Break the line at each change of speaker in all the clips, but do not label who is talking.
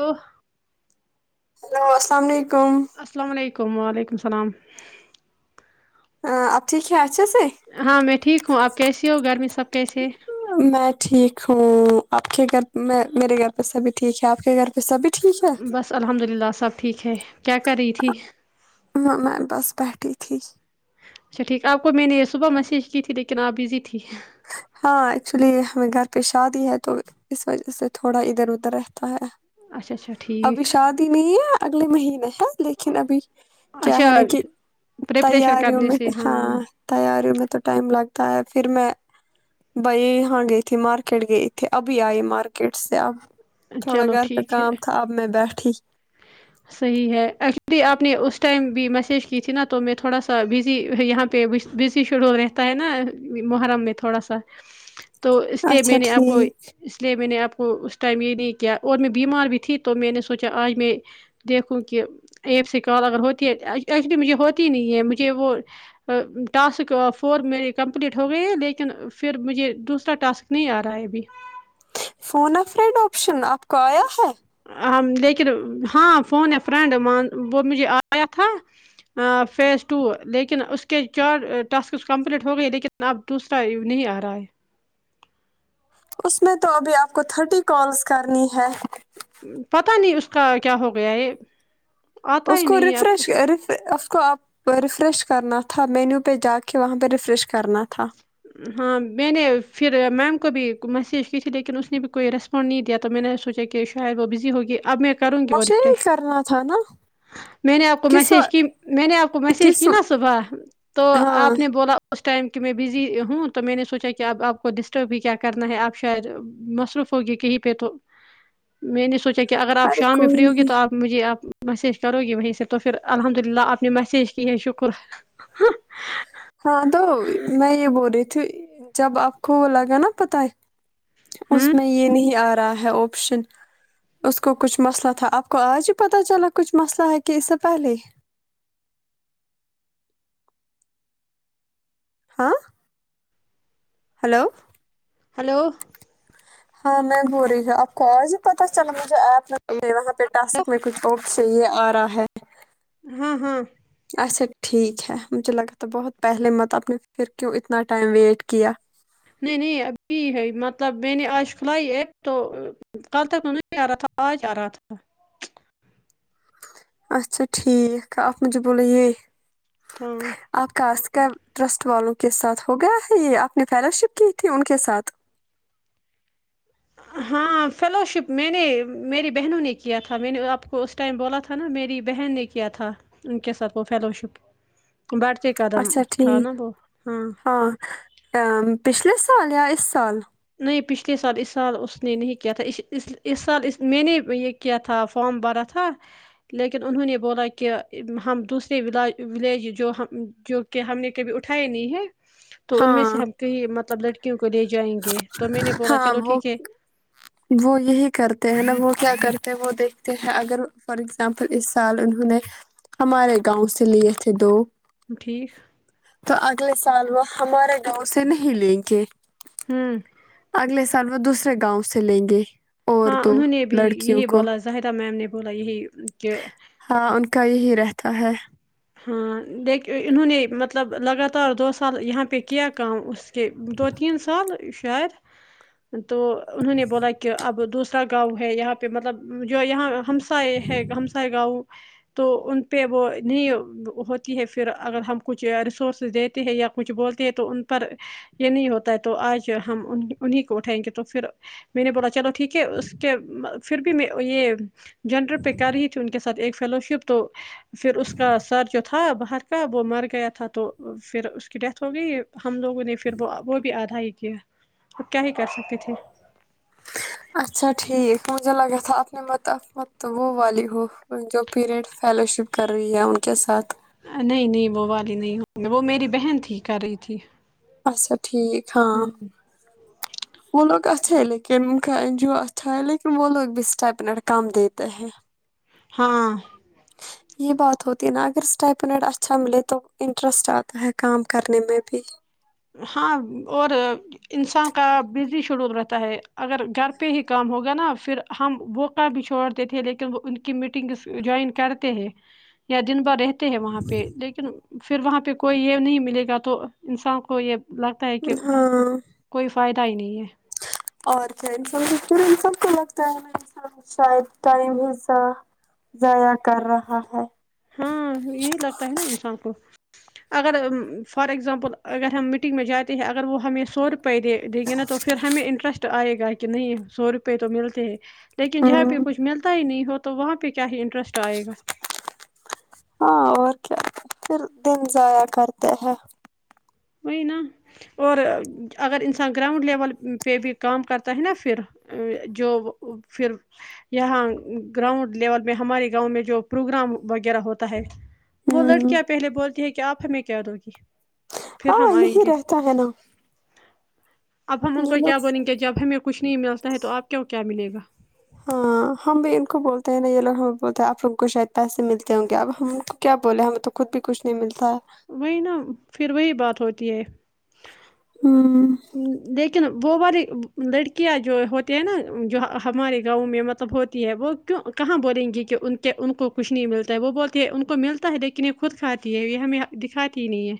اہ
hello السلام علیکم
السلام علیکم و علیکم السلام
اب ٹھیک ہے اچھے سے
ہاں میں ٹھیک ہوں آپ کیسی ہو گھر میں سب کیسے ہے
میں ٹھیک ہوں آپ کے گھر میں میرے گھر پہ سبھی ٹھیک ہے آپ کے گھر پہ سبھی ٹھیک ہے
بس الحمد للہ سب ٹھیک ہے کیا کر رہی تھی
وہ میں بس بیٹھی تھی
اچھا ٹھیک آپ کو میں نے یے صبح میسیج کی تھی لیکن آپ بزی تھی
ہاں ایکچولی ہمیں گھر پے شادی ہے تو اس وجہ سے تھوڑا ادھر ادھر رہتا ہے
اچھا اچھا
ابھی
ٹھیک
شادی نہیں ہے اگلے مہینے ہے لیکن ابھی کیا ہے
اچھا
نا کی
پریپریشن
تیاریوں
کرنے
میں
سے
ہاں تیاریوں میں تو ٹائم لگتا ہے پھر میں بائی ہاں گئے تھی مارکیٹ گئی تھے ابھی آئی مارکیٹ سے اب تھوڑا
چلو
گھر پے
ٹھیک ہے
کام تھا اب میں بیٹھی
صحیح ہے ایکچولی آپ نے اس ٹائم بھی میسج کی تھی نا تو میں تھوڑا سا بزی یہاں پے پے بزی شیڈول رہتا ہے نا محرم میں تھوڑا سا تو اس لیے
اچھا
میں نے آپ کو
ٹھیک
اس لیے میں نے آپ کو اس ٹائم یے نہیں کیا اور میں بیمار بھی تھی تو میں نے سوچا آج میں دیکھوں کہ ایپ سے کال اگر ہوتی ہے ایکچولی مجھے ہوتی نہیں ہے مجھے وہ ٹاسک فور میری کمپلیٹ ہو گئی ہے لیکن پھر مجھے دوسرا ٹاسک نہیں آ رہا ہے ابھی
فون افریڈ آپشن آپ کو آیا ہے
لیکن ہاں فون ہے فرینڈ وہ مجھے آیا تھا فیز ٹو لیکن اس کے چار ٹاسکس کمپلیٹ ہو گئی لیکن اب دوسرا نہیں آ رہا ہے
اس میں تو ابھی آپ کو تھرٹی کالس کرنی ہے
پتہ نہیں اس کا کیا ہو گیا یے
اس کو ریفریش رفر اس کو آپ وہ ریفریش کرنا تھا مینیو پے جا کے وہاں پے ریفریش کرنا تھا
ہاں میں نے پھر میم کو بھی میسیج کی تھی لیکن اس نے بھی کوئی ریسپ پانڈ نہیں دیا تو میں نے سوچا کہ شاید وہ بزی ہوگی اب میں کروں گی وہ
مجھے
ریفریش
کرنا تھا نا
میں نے آپ کو
کس و...
میسج کی میں نے آپ کو میسج
کس
کی نا صبح تو
ہاں
آپ نے بولا اس ٹائم کی میں بزی ہوں تو میں نے سوچا کی اب آپ کو ڈسٹرب بھی کیا کرنا ہے آپ شاید مصروف ہوگی کہیں پے تو میں نہیں سوچا کہ اگر آپ
ارے
شام میں
کوئی
فری ہوگی تو
نہیں
آپ مجھے آپ میسیج کرو گی وہیں سے تو پھر الحمد للہ آپ نے میسیج کی ہے شکر ہاں
ہاں تو میں یے بول رہی تھی جب آپ کو وہ لگا نا پتہ ہے اس
ہوں
میں یل نہیں آ رہا ہے آپشن اس کو کچھ مسئلہ تھا آپ کو آج ہی پتہ چلا کچھ مسئلہ ہے کہ اس سے پہلے ہی ہاں ہلو
ہلو
ہاں میں بول رہی ہوں آپ کو آج پتہ چلا مجھے ایپ وہاں پے ڈسک میں کچھ صحیح ہے آ رہا ہے
ہاں ہاں
اچھا ٹھیک ہے مجھے لگا تھا بہت پہلے مت آپ نے پھر کیوں اتنا ٹائم ویٹ کیا
نہیں نہیں ابھی ہے مطلب میں نے آج فلائی ایک تو کل تک نہیں آ رہا تھا آج آ رہا تھا
اچھا ٹھیک آپ مجھے بولے یے
ہاں
آپ کا آسکا ٹرسٹ والوں کے ساتھ ہو گیا ہے یے آپ نے فیلو شپ کی تھی ان کے ساتھ
ہاں فیلو شپ میں نے میری بہنوں نے کیا تھا میں نے آپ کو اس ٹائم بولا تھا نا میری بہن نے کیا تھا ان کے ساتھ وہ فیلو شپ بڑہتے قدم
اچھا
تھا
ٹھیک
نا وہ ہاں
ہاں پچھلے سال یا اس سال
نہیں پچھلے سال اس سال اس نے نہیں کیا تھا اس اس اس سال اس میں نے یہ کیا تھا فارم بھرا تھا لیکن انہوں نے بولا کہ ہم دوسرے ولاج ولیج جو ہم جو کہ ہم نے کبھی اٹھائے نہیں ہے تو ان
ہاں
میں سے ہم کہیں مطلب لڑکیوں کو لے جائیں گے تو میں نے بولا
ہاں
چلو
وہ
ٹھیک ہے
وہ یہی کرتے ہیں نا وہ کیا کرتے ہیں وہ دیکھتے ہیں اگر فار ایگزامپل اس سال انہوں نے ہمارے گاؤں سے لیے تھے دو
ٹھیک
تو اگلے سال وہ ہمارے گاؤں سے نہیں لیں گے
ہمم
اگلے سال وہ دوسرے گاؤں سے لیں گے اور
ہاں
دو
انہوں نے بھی
لڑکیوں
یہی
کو
بولا زاہدہ میم نے بولا یہی کہ
ہاں ان کا یہی رہتا ہے
ہاں دیکھ انہوں نے مطلب لگاتار دو سال یہاں پہ کیا کام اس دو تین سال شاید تو انہوں نے بولا کہ اب دوسرا گاؤں ہے یہاں پہ مطلب جو یہاں ہم ہمس ہے ہمسائے گاؤں تو ان پہ وہ نہیں ہوتی ہے پھر اگر ہم کچھ ریسورسز دیتے ہیں یا کچھ بولتے ہیں تو ان پر یہ نہیں ہوتا ہے تو آج ہم انہیں کو اٹھائیں گے تو پھر میں نے بولا چلو ٹھیک ہے اس کے پھر بھی میں یہ جنڈر پہ کر رہی تھی ان کے ساتھ ایک فیلو شپ تو پھر اس کا سر جو تھا باہر کا وہ مر گیا تھا تو پھر اس کی ڈیتھ ہو گئی ہم لوگوں نے پھر وہ وہ بھی آدھا ہی کیا ا کیا ہی کر سکتی تھے
اچھا ٹھیک مجھے لگا تھا اپنے مت مت وہ والی ہو جو پیریڈ فیلوشپ کر رہی ہے ان کے ساتھ
نہیں نہیں وہ والی نہیں ہو وہ میری بہن تھی کر رہی تھی
اچھا ٹھیک ہاں
ہ
وہ لوگ اچھے ہے لیکن ان کا این جی او اچھا ہے لیکن وہ لوگ بھی اسٹ منٹ کام دیتے ہیں
ہاں
یہ بات ہوتی ہے نا اگر اسٹیپنڈ اچھا ملے تو انٹرسٹ آتا ہے کام کرنے میں بھی
ہاں اور انسان کا بزی شیڈول رہتا ہے اگر گھر پہ ہی کام ہوگا نا پھر ہم وہو کام بھی چھوڑتے تھے لیکن وہ ان کی میٹنگس جوائن کرتے ہیں یا دن بھررہتے ہیں وہاں پہ لیکن پھر وہاں پہ کوئی یہ نہیں ملے گا تو انسان کو یہ لگ تا ہے کہ
ہاں
کوئی فائدہ ہی نہیں ہے
اور کیا انسانہی کو نہیں سب کو لگتا ہے نا انسان شاید ٹائم حصہ ضائع کر رہا ہے
ہاں یہی لگتا ہے نا انسان کو اگر فار ایگزامپل اگر ہم میٹنگ میں جاتے ہیں اگر وہ ہمیں سو روپئے دے دیں گے نا تو پھر ہمیں انٹرسٹ آئے گا کہ نہیں سو روپئے تو ملتے ہیں لیکن جہاں پہ
ہمم
کچھ ملتا ہی نہیں ہو تو وہاں پہ کیا ہی انٹرسٹ آئے گا
ہاں اور کیا پھر دن ضائع کرتے ہیں
وہ نا اور اگر انسان گراؤنڈ لیول پہ بھی کام کرتا ہے نا پھر ا جو پھر یہاں گراؤنڈ لیول میں ہمارے گاؤں میں جو پروگرام وغیرہ ہوتا ہے وہ
ہمم
لڑکیاں پہلے بولتی ہے کہ آپ ہمیں کیا د گی پھر
ہاں
ہم آئیں
یہی
گے
رہتا ہے نا
اب ہم ان کو
یہ
کیا
لوگ
بولیں گے جب ہمیں کچھ نہیں ملتا ہے تو آپ کے کیا ملے گا
ہاں ہم بھی ان کو بولتے ہیں نا یہ لگ ہم بھی بولتے ہیں آپ ہم کو شاید پیسے ملتے ہوں گے اب ہم ان کو کیا بولے ہمیں تو خود بھی کچھ نہیں ملتا ہے
وہی نا پھر وہی بات ہوتی ہے
ہمم
لیکن وہ بڑ لڑکیاں جو ہوتے ہیں نا جو ہمارے گاؤں میں مطلب ہوتی ہے وہ کیوں کہاں بولیں گی کہ کے ان کو کچھ نہیں ملتا ہے وہ بولتی ہے ان کو ملتا ہے لیکن یہ خود کھاتی ہے یہ ہمیں دکھاتی ہی نہیں ہے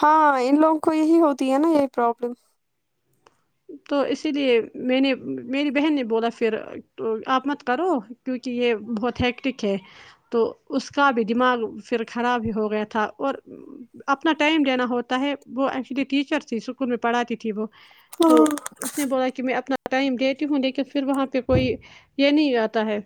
ہاں ان لوگوں کو یہی ہوتی ہے نا یہی پروابلم
تو اسی لیے میں نے میری بہن نے بولا پھر تو آپ مت کرو کیونکہ یہ بہت ہیٹک ہے تو اس کا بھی دماغ پھر خراب ہی ہو گیا تھا اور اپنا ٹائم لینا ہوتا ہے وہ ایکچولی ٹیچر تھی اسکول میں پڑھاتی تھی وہ تو
ہاں
اس نے بولا کہ میں اپنا ٹائم دیتی ہوں لیکن پھر وہاں پہ کوئی یہ نہیں آتا ہے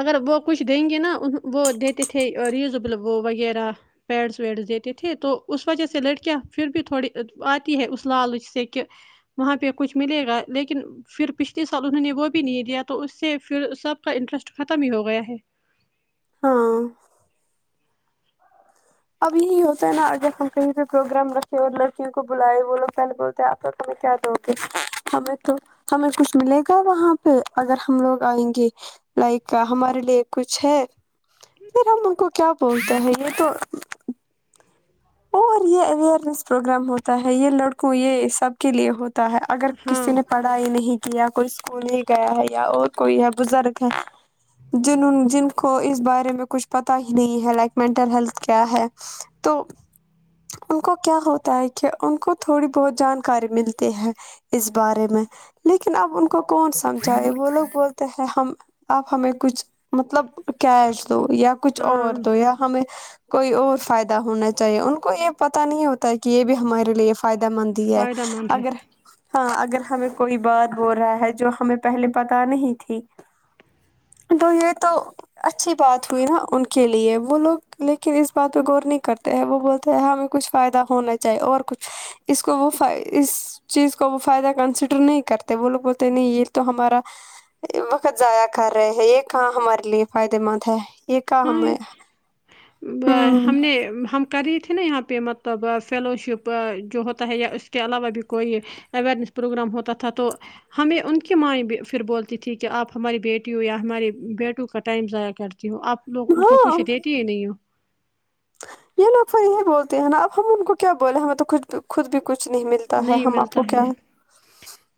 اگر وہ کچھ دیں گے نا ان وہ دیتے تھے ریزبل وہ وغیرہ پیڈس ویڈس دیتے تھے تو اس وجہ سے لڑکیاں پھر بھی تھوڑی آتی ہے اس لالچ سے کہ وہاں پہ کچھ ملے گا لیکن پھر پچھلے سال انہوں نے وہ بھی نہیں دیا تو اس سے پھر سب کا انٹرسٹ ختم ہی ہو گیا ہے
ہاں اب یہی ہوتا ہے نا اگر ہم کہیں پہ پروگرام رکھے اور لڑکیوں کو بلائے وہ لوگ پہلے بہ آ تو کیا دو گے ہمیں تو ہمیں کچھ ملے گا وہاں پہ اگر ہم لوگ آئیں گے لائک ہمارے لیے کچھ ہے پھر ہم ان کو کیا بولتے ہیں یہ تو اور یہ اوئرنیس پروگرام ہوتا ہے یہ لڑکوں یہ سب کے لیے ہوتا تا ہے اگر
ہاں
کسی نے پڑھ پڑھائی نہیں کیا کوئی اسکول ہی گیا ہے یا اور کوئی ہے بزرگ ہے جن جن کو اس بارے میں کچھ پتاہ ہی نہیں ہے لائک مینٹل ہیلتھ کیا ہے تو ان کو کیا ہوتا ہے کہ ان کو تھوڑی بہت جانکاری ملتی ہے اس بارے میں لیکن اب ان کو کون سمجھائے وہ لوگ بولتے ہیں ہم اپ ہمیں کچھ مطلب کیش دو یا کچھ
ہاں
اور دو یا ہمیں کوئی اور فائدہ ہونا چاہیے ان کو یہ پت نہیں ہوتا ہے کہ یہ بھی ہمارے لیے فائدہ مند ہی ہے
فائدہ مند ہے
اگر ہاں اگر ہمیں کوئی بات بول رہا ہے جو ہمیں پہلے پتا نہیں تھی تو یہ تو اچھی بات ہوئی نا ان کے لیے وہ لوگ لیکن اس بات پہ غور نہیں کرتے وہ بولتا ہیں ہمیں کچھ فائدہ ہونا چاہیے اور کچھ اس کو وہ فاہ اس اس چیز کو وہ فائدہ کنسیڈر نہیں کرتے وہ لوگ بولتے نہیں یہ تو ہمارا وقت ضائع کر رہے ہیں یہ کہاں ہمارے لیے فائدے مند ہے یہ کہاں
ہاں
ہمیں ہوں
ہم نے ہم کر رہی تھی نا یہاں پہ مطلب فیلوشپ جو ہوتا ہے یا اس کے علاوہ بھی کوئی اویرنیس پروگرام ہوتا تھا تو ہمیں ان کی مائ پھر بولتی تھی کہ آپ ہماری بیٹی ہو یا ہمارے بیٹوں کا ٹائم ضائع کرتی ہو آپ لوگ ان کو
ہاں
کچھ دیتی ہی نہیں ہو
یہ لوگ سا ہی بولتے ہیں نا اب ہم ان کو کیا بول ہمیں تو کچھ بھی خود بھی کچھ نہیں ملتا ہے
نہیں
ہم آپ
ملتا
کو کیا ہے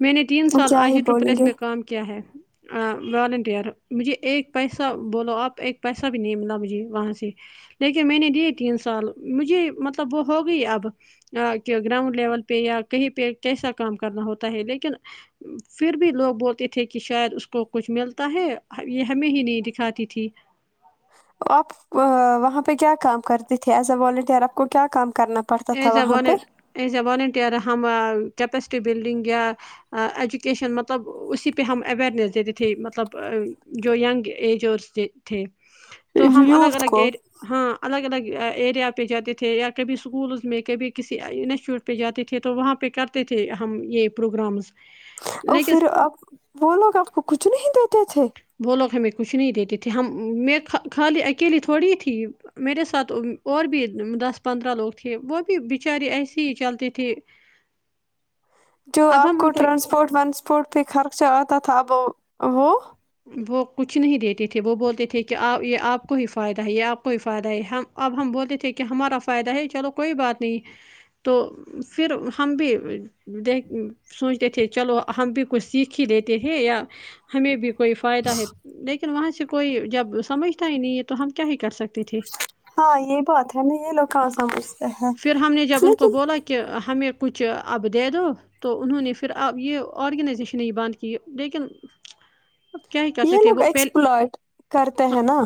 میں نے تین سال آج یہ ٹرپلیس میں کام کیا ہے والنٹیئر مجھے ایک پیسہ بولو آپ ایک پیسہ بھی نہیں ملا مجھے وہاں سے لیکن میں نے دیے تین سال مجھے مطلب وہ ہو گئی اب کہ گراؤنڈ لیول پہ یا کہیں پہ کیسا کام کرنا ہوتا ہے لیکن پھر بھی لوگ بولتے تھے کہ شاید اس کو کچھ ملتا ہے یہ ہمیں ہی نہیں دکھاتی تھی
اپ وہاں پہ کیا کام کرتے تھے ایز اے والنٹر اپ کو کیا کام کرنا پڑتا تھا
ایز اے
وہاں پہ
والنٹ ایز اے والنٹیر ہم جیبسٹری بلڈنگ گا ایجوکیشن مطلب اسی پہ ہم اوئیرنیس دیتے تھے مطلب جو ینگ ایج اور اتھے تو ہم الگ
یوتھ
الگ
کو
ایر ہاں الگ الگ ایریا پہ جاتے تھے یا کبھی اسکولز میں کبھی کسی انسٹیوٹ پہ جاتے تھے تو وہاں پہ کرتے تھے ہم یہ پروگرامس
اور پھر اب وہ لوگ اپ کو کچھ نہیں دیتے تھے
وہ لوگ ہمیں کچھ نہیں دیتے تھے ہم میں خا خالی اکیلی تھوڑی تھی میرے ساتھ اور بھی دس پندرہ لوگ تھے وہ بھی بیچاری ایسے ہی چلتی تھی
جو اپ کو ٹرانسپورٹ وانسپورٹ پہ خرچہ اتا تھا اب وہ
وہ کچھ نہیں دیتے تھے وہ بولتے تھے کہ اپ یہ اپ کو ہی فائدہ ہے یہ اپ کو ہی فائدہ ہے ہا اب ہم بولتے تھے کہ ہمارا فائدہ ہے چلو کوئی بات نہیں تو پھر ہم بھی دیک سوچتے تھے چلو ہم بھی کچھ سیکھ ہی لیتے تھے یا ہمیں بھی کوئی فائدہ ہے لیکن وہاں سے کوئی جب سمجھتا ہی نہیں ہے تو ہم کیا ہی کر سکتے تھے
ہاں یہی بات ہے یہ لوگ کہاں سمجھ
پھر ہم نے جب ان کو بولا کہ ہمیں کچھ اب دے دو تو انہوں نے پھر آپ یہ ارگنائزیشن ہی بند کی لیکن اب کیا ہی کر
یہ
سکتے
لوگ
وہ پہلے
ایکسپلٹ کرتے ہیں نا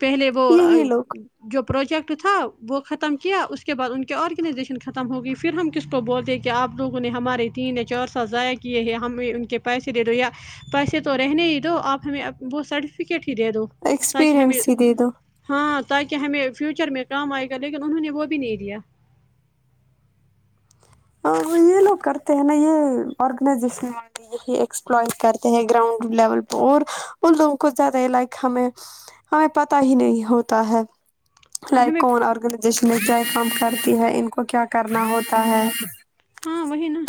پہلے وہ
یہی لوگ
جو پروجیکٹ تھا وہ ختم کیا اس کے بعد ان کی ارگنائزیشن ختم ہو گئی پھر ہم کس کو بولتے کہ اپ لوگوں نے ہمارے تین یا چار سال ضائع یہ ہے ہمیں ان کے پیسے دے دو یا پیسے تو رہنے ہی دو اپ ہمیں وہ سرٹیفکیٹ ہی دے دو تاکہ ہمیں
ایکسپیرئنس ہی دے دو
ہاں تاکہ ہمیں فیوچر میں کام ائے گا لیکن انہوں نے وہ بھی نہیں دیا
ہاں یہ لوگ کرتے ہیں نا یہ ارگنائزیشن یہی ایکسپلئ کرتے ہیں گراؤنڈ لیول پہ اور ان لوگوں کو زیادہ ہی لائک ہمیں ہمیں پتہ ہی نہیں ہوتا ہے
ہمیں
لائک اور ارگنائزیشن جائے کام کرتی ہے ان کو کیا کرنا ہوتا ہے
ہم وہی نا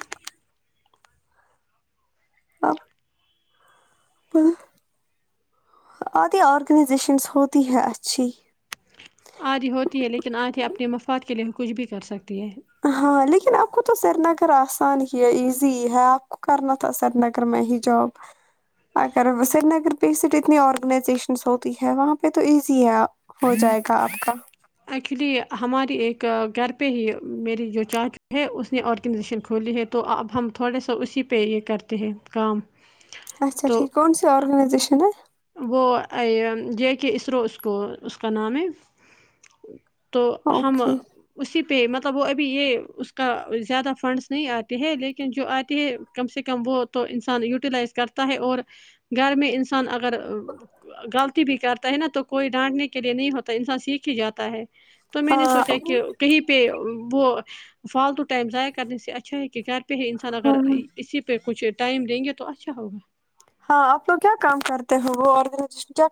ہاب ادھی ارگنائزیشن ہوتی ہے اچھی
ادھی ہوتی ہے لیکن ا کے اپنے مفاد کے لیے کچھ بھی کر سکتی ہے
ہاں لیکن آپ کو تو سری نگر اسان ہی ہے ایزی ہے اپ کو کرنا تو سری نگر میں ہی جاب اگر سری نگر پہ اتنی ارگنائزیشنس ہوتی ہے وہاں پہ تو ایزی ہے ہو جائے گا اپ کا
ایکیولی ہماری ایک گھر پہ ہی میری جو چا ہے اس نے ارگنائزیشن کھولی ہے تو تو اب ہم تھوڑے سہ اسی پہ ہی کرتے ہیں کام
اچھا
تو
ٹھیک کون سی ارگنائزیشن ہے
وہ جے کے اسرو اس کو اس کا نام ہے تو ہم
اوکے
اسی پہ مطلب وہ ابھی اس کا زیادہ فنڈز نہیں اتے ہیں لیکن جو اتی ہے کم سے کم وہ تو انسان بیوٹیلائز کرتا ہے اور گھر میں انسان اگر غلطی بھی کرتا ہے نا تو کوئی ڈانٹ نے کے لیے نہیں ہوتا انسان سیکھ ہی جاتا ہے تو میں نے
ہاں
سوچا کہ کہیں پہ وہ فالتو ٹائم ضائع کرنے سے اچھا ہے کہ گھر پہ انسان اگر اسی پہ کچھ ٹائم دیں گے تو اچھا ہوگا
ہاں آپ لوگ کیا کام کرتے ہو وہ اور کیا